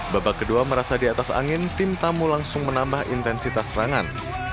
babak kedua merasa di atas angin tim tamu langsung menambah intensitas serangan